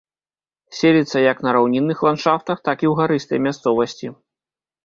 Селіцца як на раўнінных ландшафтах, так і ў гарыстай мясцовасці.